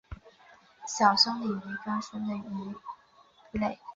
小胸鳍蛇鲻为狗母鱼科蛇鲻属的鱼类。